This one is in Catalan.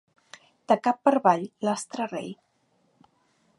De cap per avall, l'astre rei.